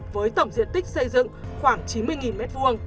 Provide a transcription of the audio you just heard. với tổng diện tích xây dựng khoảng chín mươi m hai